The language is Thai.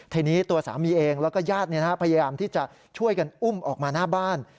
ทีนี้ตัวสามีเองแล้วก็ญาติพยายามที่จะช่วยกันอุ้มออกมาหน้าบ้าน